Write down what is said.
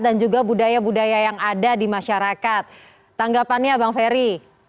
dan juga budaya budaya yang ada di masyarakat tanggapannya bang ferry